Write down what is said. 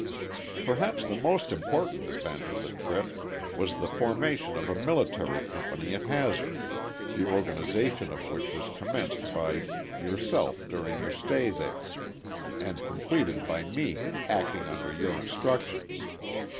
Perhaps the most important event of the trip was the formation of a military company at Hazard, the organization of which was commenced by yourself during your stay there, and completed by me, acting under your instructions.